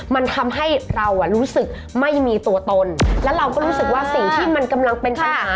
มันทำให้เราอ่ะรู้สึกไม่มีตัวตนแล้วเราก็รู้สึกว่าสิ่งที่มันกำลังเป็นปัญหา